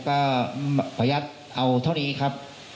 ก็ขออนุญาตเอาเท่านี้ครับ